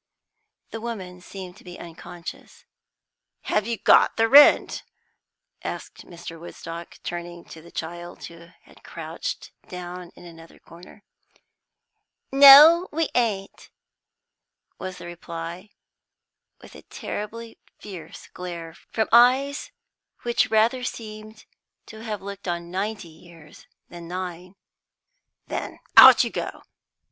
The woman seemed to be unconscious. "Have you got the rent?" asked Mr. Woodstock, turning to the child, who had crouched down in another corner. "No, we ain't," was the reply, with a terribly fierce glare from eyes which rather seemed to have looked on ninety years than nine. "Then out you go!